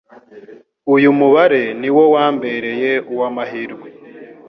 uyu mubare niwo wambereye uwa mahirwe